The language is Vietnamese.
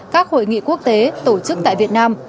các hội nghị quốc tế tổ chức tại việt nam